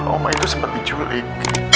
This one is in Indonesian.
oma itu sempat diculik